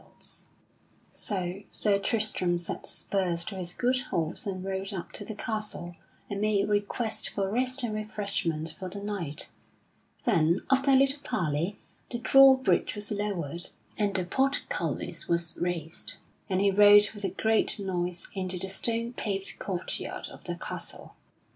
[Sidenote: Sir Tristram comes to a friendly castle] So Sir Tristram set spurs to his good horse and rode up to the castle and made request for rest and refreshment for the night. Then, after a little parley, the drawbridge was lowered, and the portcullis was raised, and he rode with a great noise into the stone paved courtyard of the castle.